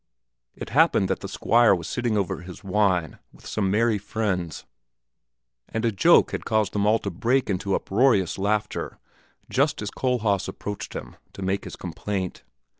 It happened that the Squire was sitting over his wine with some merry friends, and a joke had caused them all to break into uproarious laughter just as Kohlhaas approached him to make his complaint.